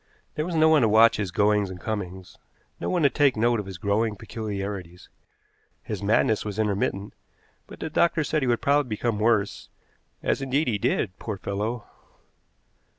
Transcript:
There was no one to watch his goings and comings, no one to take note of his growing peculiarities. His madness was intermittent, but the doctors said he would probably become worse, as, indeed, he did, poor fellow!